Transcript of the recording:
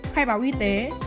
khai báo y tế